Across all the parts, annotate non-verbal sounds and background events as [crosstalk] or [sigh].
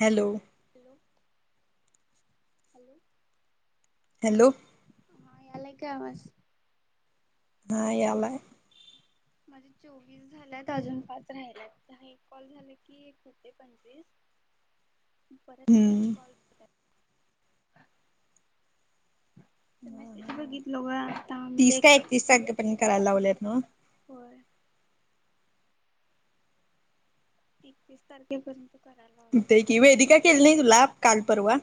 Hello. Hello hello. Hello. हा यालाय का आवाज? हां यालाय. माझे चोवीस झाल्यात, अजून पाच राहिल्यात, हा एक कॉल झाला की एक होते पंचवीस. परत तीस हम्म कॉल होतात. मॅसेज बागितलो ग आता म्हणजे पण करायला लावलेत नव? होय. एकतीस तारखेपर्यंत कराय लाव हुतय की, वेदिका केली नाही तुला काल परवा?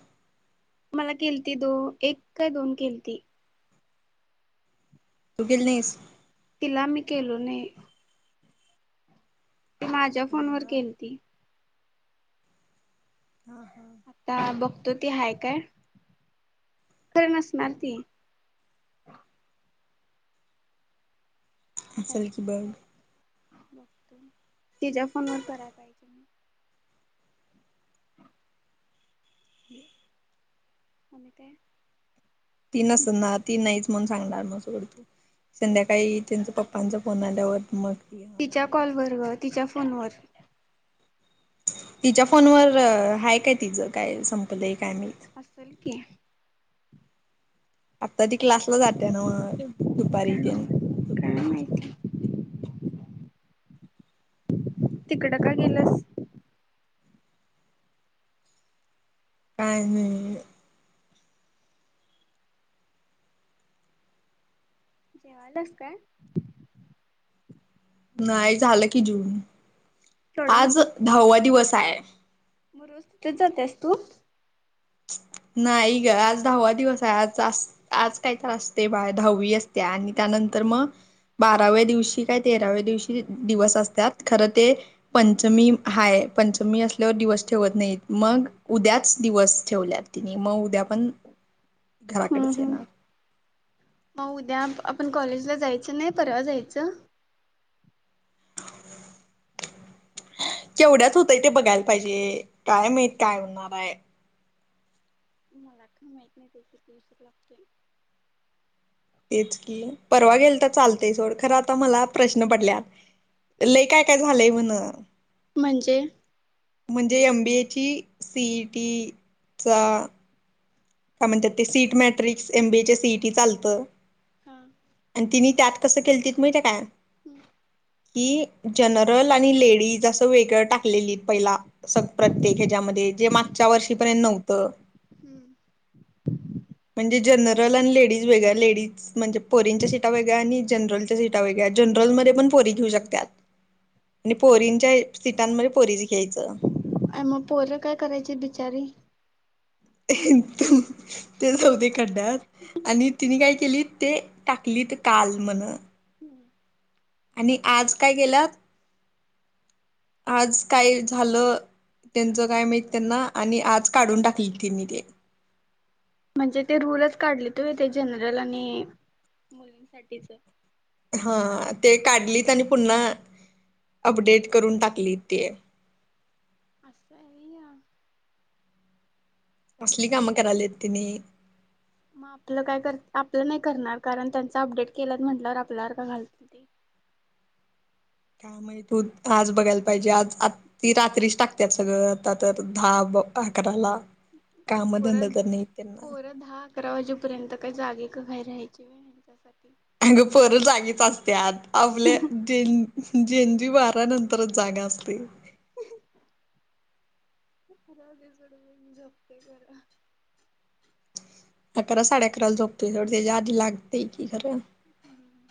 मला केलती दो एक काय दोन केलती. तु गेली नाहीस? तिला मी केलो नाही. ती माझ्या फोन वर केलती. हां हां. आता बघतो ती हाय काय, खर नसणार ती. काय असल की बघ. बघतो, तिच्या फोनवर कराय पाहिजे म. [inaudible] [inaudible] आणि काय? ती नस ना ती नाहीच म्हणून सांगणार म सोड तू. संध्याकाळी त्यांच पप्पांचा फोन आल्यावर मग ती तिच्या कॉल म्हणते वर ग, तिच्या फोनवर. तिच्या फोनवर हाय काय तिचं काय, संपलंय काय माहित. असल की. आत्ता ती क्लासला जात्या नव, काय दुपारी तेन, काय दुपारी माहिती तिकडं का गेल्यास? काही नाही. जेवाल्यास काय? नाय झाल की जेऊन, केवढ्या आज दहावा दिवस हाय. म रोज तिथेच जात्यास तू? नाही ग, आज दहावा दिवस हाय आज आस आज काय तर असते बाळ दहावी असत्या, आणि त्या नंतर मग बाराव्या दिवशी काय तेराव्या दिवशी दिवस असत्यात खरं ते पंचमी हाय, पंचमी असल्यावर दिवस ठेवत नाहीत मग उद्याच दिवस ठेवल्यात तिनी, मग उद्या पण हम्म घराकडेच हम्म. येणार मग उद्या आपण कॉलेजला जायचं नाही? परवा जायचं? [inaudible] केवढ्याच हुतय ते बघायला पाहिजे काय माहित काय होणार आहे. मला काय माहीत नाही ते की उशीर लागतंय. तेच की परवा गेलं तर चालतंय सोड, खरं आता मला प्रश्न पडल्यात. लई काय काय झालंय म्हणं. म्हणजे? म्हणजे एम बी ए ची सी ई टी चा. काय म्हणतात ते seat matrix M B A ची सी ई टी चालतं. हां. आणि तिन्ही त्यात कसं केलीतीत माहितेय का? हम्म. की जनरल आणि लेडीज असं वेगळं टाकलेलीत. पहिला स प्रत्येक ह्याच्यामध्ये जे मागच्या वर्षीपर्यंत नव्हतं. हम्म. म्हणजे जनरल आणि लेडीज वेगळ्या लेडीज. म्हणजे पोरींच्या सीटा वेगळ्या आणि जनरलच्या सीटा वेगळ्या जनरलमध्ये पण पोरी घेऊ शकत्यात. आणि पोरींच्या सीटांमध्ये पोरीच घ्यायचं. अय मग पोरं काय करायची बिचारी? ते जाऊदे खड्डयात आणि तिनी काय केलीत ते टाकलीत काल म्हणं. हम्म. आणि आज काय केल्यात आज काय झालं त्याचं काय माहित त्यांना आणि आज काढून टाकलीत त्यांनी ते. म्हणजे ते रूलच काढलीत होय ते जनरल आणि मुलींसाठीचं? हां ते काढलीत आणि पुन्हा अपडेट करून टाकलीत ते. असं हाय होय हे. असली काम करायल्यात त्यांनी. मग आपलं काय कर आपलं नाही करणार कारण त्यांचं अपडेट केल्यात म्हटल्यावर आपल्यावर का घालतील ते? काय माहित उद आज बघायला पाहिजेत आज आ ती रात्रीच टाकत्यात सगळं आत्ता तर दहा ब अकराला. तर कामंधंद पोरं तर नाहीत त्यांना. पोरं दहा अकरा वाजेपर्यंत काही जागी [unintelligible] राहायची वेळ ह्यांच्यासाठी? अगं पोरं जागीच असत्यात आपले [unintelligible] जेंजी बारा नंतरच जागं असतंय. [inaudible] राहुदे सोड बाई मी झोपते जरा. अकरा साडेअकराला झोपते सोड त्याच्या आधी लागतंय की खरं. हम्म,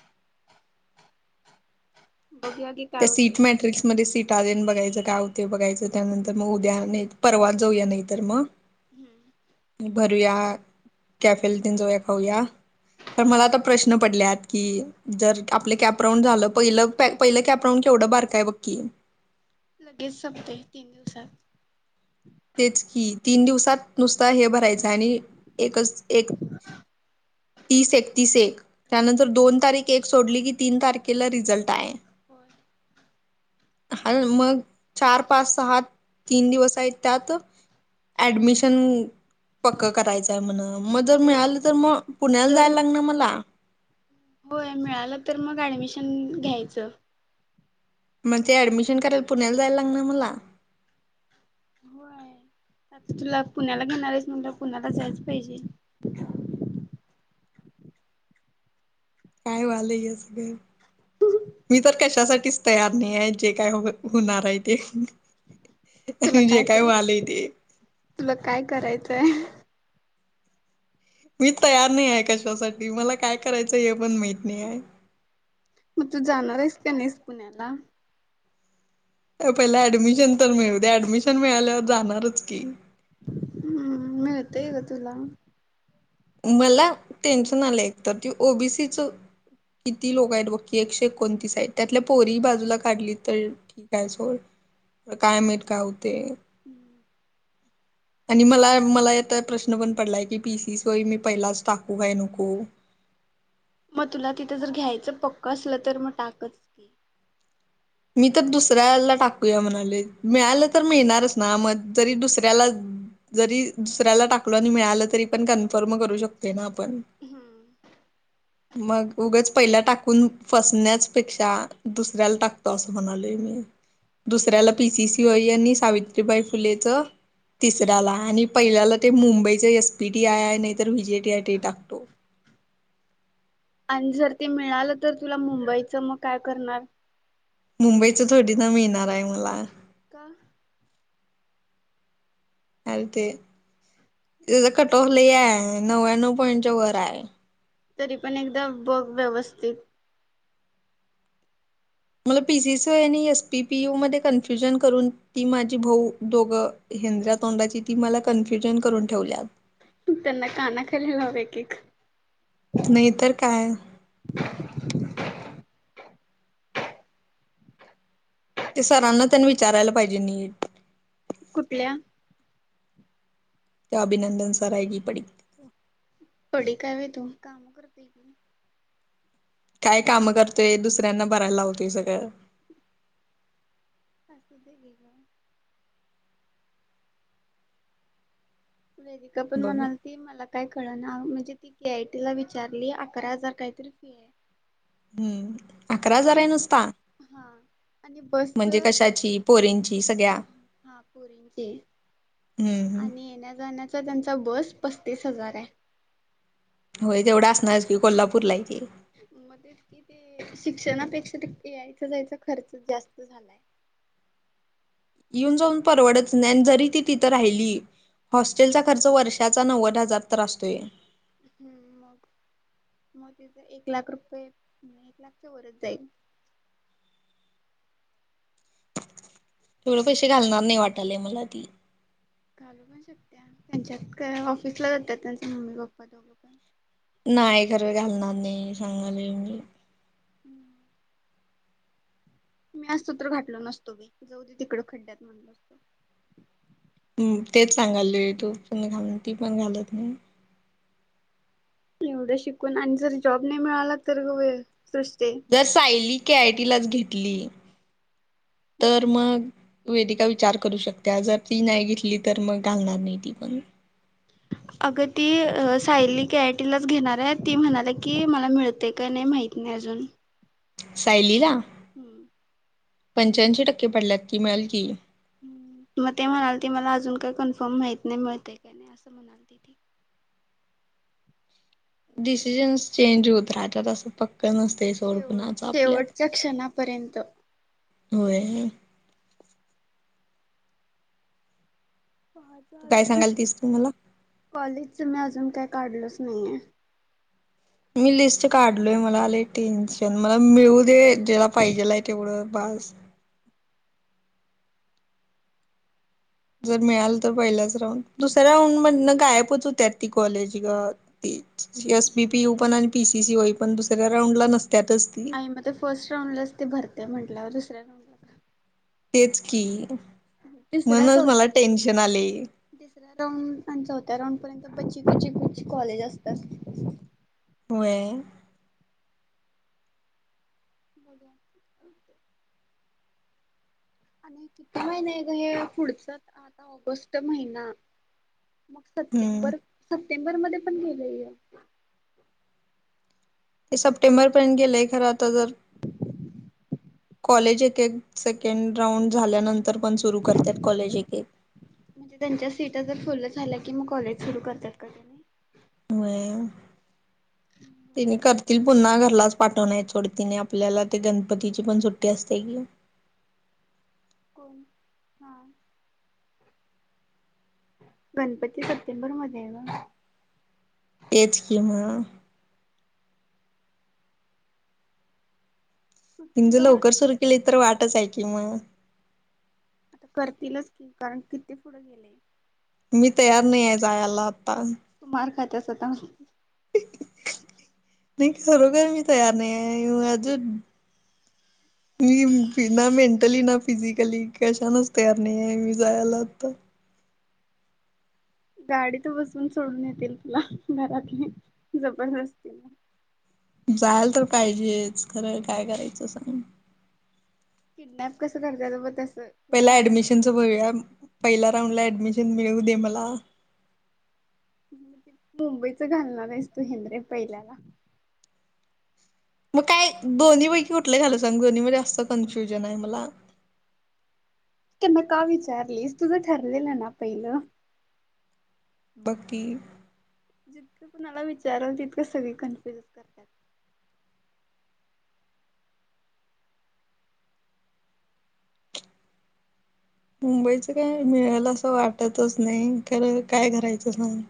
बघूया घे त्या सीट मॅट्रिक्समध्ये सीट [unintelligible] बघायचं काय होतंय बघायचं, त्यानंतर मग उद्या नाही परवाच जाऊया नाही तर मग. हम्म. भरूया, कॅफेल तेन जाऊया खाऊया हा [unintelligible] प्रश्न पडल्यात की जर आपलं कॅपराऊंड झालं पहिलं [unintelligible] पहिलं कॅपराऊंड केवढं बारकय बघ की. लगेच संपतोय तीन दिवसात. तेच की तीन दिवसात नुसता हे भराय चा आणि एकच तीस, एकतीस, एक त्यानंतर दोन तारीख एक सोडली की तीन तारखेला रिझल्ट आहे. होय. हाल मग चार, पाच, सहा तीन दिवस आहेत त्यात ॲडमिशन पक्क करायचंय म्हणं मग जर म्हणजे मिळाले तर म म्हणजे पुण्याला जर जाय लागणार मला. होय मिळालं तर मग ऍडमिशन घ्यायचं. मग ते ऍडमिशन करायला पुण्याला जाय लागणार मला. होय आता तुला पुण्याला घेणार आहेच म्हणल्यावर पुण्याला जायच पाहिजे. काय वालं या सगळं? मी तर कशासाठीच तयार नाही आहे जे काय होव होणार आहे ते. तुला आणि जे काय व्हालंय कळे ते तुला काय करायचंय? मी तयार नाही आहे कशासाठी मला काय करायचं हे पण माहित नाही आहे. म तू जाणार आहेस का नाहीस पुण्याला. पहिला ऍडमिशन तर मिळू ऍडमिशन मिळाल्यावर जाणारच की. हम्म मिळतय गं तुला. मला टेन्शन आलं एकतर ते ओ बी सी चा किती लोकं आहेत बघ की एकशे एकोणतीस साईड त्यातल्या पोरी बाजूला काढली तर ठीक आहे सोड काय माहीत काय होते. हम्म. आणि मला मला या तय प्रश्न पण पडलाय की पी सीस तो ही मी पहिलाच टाकू काय नको. मग तुला तिथं जर घ्यायचं पक्क असलं तर म टाकच की. मी तर दुसऱ्याला टाकूया म्हणाले मिळालं तर मिळणारच ना म जरी दुसऱ्याला जरी दुसऱ्याला टाकलो आणि मिळालं तरी पण कन्फर्म करू शकते ना आ पण मग उगच पहिला टाकून फसण्याच पेक्षा दुसऱ्याला टाकतो असं म्हणालोय मी दुसऱ्याला पी सी सी ती वय यांनी सावित्रीबाई फुलेचं तिसऱ्याला आणि पहिल्याला ते मुंबईचे एस पी टी आय आहे नाही तर वि जे टी आय ते टाकतो. आणि जर ते मिळालं तर तुला मुंबईच मग काय करणार? मुंबईचा थोडी ना मिळणार आहे मला. का अर ते तेजा कटऑफ लय आहे नव्याण्णव पॉइंटच्या वर आहे. तरी पण एकदा बघ व्यवस्थित. मला पी सी सी आणि एस पी पी यू मध्ये कन्फ्युजन करून ती माझी भाऊ दोघं हिंद्रया तोंडाची ती मला कन्फ्युजन करून ठेवल्या. त्यांना काना खाली लाव एक एक. नाही तर काय. ते सरांना तेन विचारायला पाहिजे नीट. कुठल्या त्या अभिनंदन सर आहे गी पडी. पडी काय वय तू कामं करतेय ती काय काम करतोय दुसऱ्यांना भरायला लावतोय सगळं. असुदे घे गं. वेधिका पण बघ म्हणाल ती मला काय कळ ना म्हणजे, ती के आय टीला विचारली अकरा हजार काहीतरी फी आहे. हम्म. अकरा हजार आणि आहे नुसता हां आणि, म्हणजे बसं कशाची पोरींची सगळ्या हा पोरींचे. हम्म आणि येण्या जाण्याचा त्यांचा, बस पस्तीस हजार हाय. होय तेवढं असणार की, कोल्हापूरलाय ती. मग तेच की ते, शिक्षणापेक्षा ते याय जायचा खर्च जास्त झालायं. येऊन जाऊन परवडत नाही, जरी ती तिथं राहिली. हॉस्टेलचा खर्च वर्षाचा नव्वद हजार तर असतोय. हम्म मग मग तिथं एक लाख रुपये, एक लाखच्या वरच जाईल. तेवढं पैसे घालणार नाही वाटालय मला ती. घालू पण शकत्या, तेच्यात काय ऑफिसला जात्यात त्यांच मम्मी पप्पा दोघं पण. नाही खर घालणार नाही, सांगालोय मी. हम्म. मी असतो तर घातलो नसतो बाई, जावू दे तिकडं खड्ड्यात म्हणल असतो. हम तेच सांगालोय तू पण [unintelligible] नको, ती पण घालत नाही. एवढं शिकून आणि, जर जॉब नाही मिळाला तर गं बाई सृष्टे. जर सायली के आय टी लाच घेतली. तर मग, वेदिका विचार करू शकत्या, जर ती नाही घेतली तर मग घालणार नाही ती पण. [inaudible] अगं ती सायली के आय टीलाच घेणार आहे. ती म्हणाली की मला मिळतंय काय नाही माहीत नाही अजून. सायलीला. हम्म. पंच्याऐंशी टक्के पडल्यात, की मिळलं की. हम्म मग ते म्हणाल ती मला अजून काही कन्फर्म माहित नाही, मिळतंय काय नाही असं म्हणालती ती. डिसिजन्स चेंज होत राहतात, असं पक्कं नस शेवट शेवटच्या क्षणापर्यंत. होय. माझं आलं काय नाही, सांगाल तीस तू मला कॉलेजच मी अजून काय काढलोच नाहीये. मी लिस्ट काढलोय मला आले टेन्शन, मला मिळू दे ज्याला पाहिजेला आहे तेवढं बास. जर मिळाल तर पहिल्याच राऊंड, दुसऱ्या राऊंड मधन गायबच होत्या ती कॉलेज गं. तेचं एस बी पी यू पण आणि पी सी सी होई पण दुसऱ्या राऊंड ला नसत्यातच ती. आई मग फर्स्ट राऊंडलाच ते भरत्या. म्हटल्यावर दुसऱ्या राऊं तेच की, तिसरा म्हणूनच मला चौथा टेन्शन आले. तिसऱ्या राऊंड आणि चौथ्या राऊंड पर्यंत बच्ची कुची कुची काॅलेज असतात. व्हयं. बघुया. आणि किती महिने आहे गं, हे पुढचा आता ऑगस्ट महिना. मग हम्म सप्टेंबर, सप्टेंबर मध्ये पण गेलंय हे. ते सप्टेंबर पर्यंत गेलंय खरं आता तर. [inaudible] कॉलेज एक एक सेकेंड राऊंड झाल्यानंतर, पण सुरू करत्यात कॉलेज एक एक. म्हणजे त्यांच्या सीटा जर फुल झाल्या की, मग कॉलेज सुरू करत्यात काय तेनी. व्हय. [inaudible] तिने करतील पुन्हा घरलाच पाठवणा हायत सोड तिने आपल्याला, ते गणपतीची पण सुट्टी असते कि कोण? हा. गणपती सप्टेंबर मध्ये ग. तेच कि‌ म. तिनी ज तुला लवकर सुरू केली तर वाटच आहे की म. आता करतीलच की, कारण किती पुढं गेलय. मी तयार नाही हाय जायाला [unintelligible] तू मार खात्यास आता. मी खरोखर मी तयार नाहीये, माझ [inaudible] मी मी ना मेंटली ना फिजिकली कशानच तयार नाही हाय मी जायला आता. गाडीत बसून सोडून येतील तुला, घरातली, जबरदस्तीन. जायल तर पाहिजेच, खरं काय करायचं सांग? किडनॅप कसं करत्यात ब तसं. तुला पहिला ऍडमिशनच बघुया, पहिल्या राऊंड ला ऍडमिशन मिळू दे मला. मुंबईच घालणार आहेस तू हेंद्र्या पहिल्याला. मग काय दोन्ही पैकी कुठलं घालू सांग, दोन्ही मध्ये असं कन्फ्युजन आहे मला. त्यांना का विचारलीस? तुझं ठरलेलं ना पहिलं. बग की. जितकं कुणाला विचाराल तितकं सगळी कन्फ्युज करत्यात. मुंबईच काय मिळल असं वाटतच नाही, खरं काय करायचं सांग?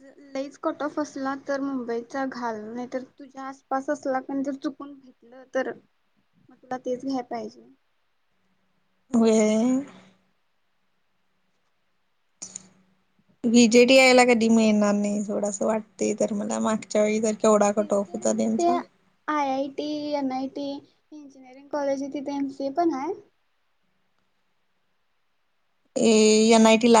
ज लईच कट ऑफ असला तर मुंबईचा घाल, नाहीतर तुझ्या आसपास असला कनी जर चुकून घातलं तर म तुला तेच घ्याय पाहिजे. होय. [unintelligible] [inaudible] वि जे टी आय ला कधी मिळणार नाही सोड अस वाटत तर मला, माग च्या वेळी तर केवढा ते कट ऑफ तर होता ते त्यांचा. I I T, N I T, engineering college आहे तिथे एम सी ए पण हाय? ए एन आय टी ला?